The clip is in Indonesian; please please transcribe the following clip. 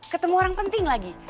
ketemu orang penting lagi